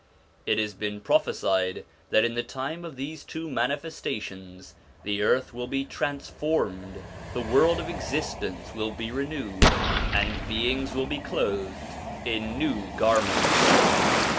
It has been prophesied that in the time of these two Manifestations the earth will be transformed, the world of existence will be renewed, and beings will be clothed in new garments.